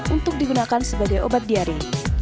untuk digunakan sebagai obat diare